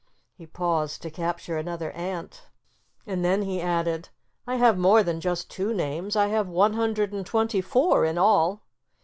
He paused to capture another ant. And then he added, "I have more than just two names. I have one hundred and twenty four in all."